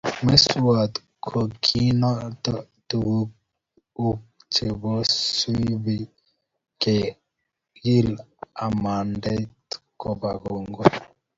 Mestowot kokindoi tukuk che subi keeng amandaet koba kongoi